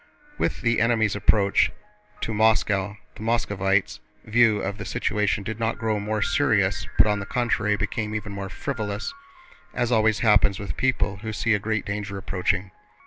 With the enemy's approach to Moscow, the Moscovites' view of their situation did not grow more serious but on the contrary became even more frivolous, as always happens with people who see a great danger approaching.